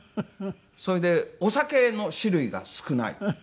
それでお酒の種類が少ない。